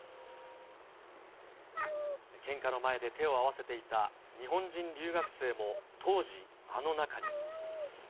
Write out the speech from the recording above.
献花の前で手を合わせていた日本人留学生も、当時、あの中に。